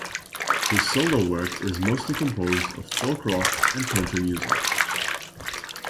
His solo work is mostly composed of folk rock and country music.